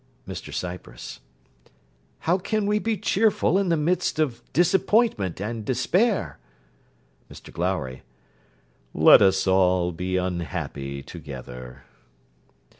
MR CYPRESS How can we be cheerful in the midst of disappointment and despair? MR GLOWRY Let us all be unhappy together.